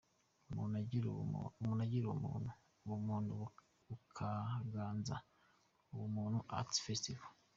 Umuntu agira ubuntu, ubumuntu bukaganza – Ubumuntu Arts Festival.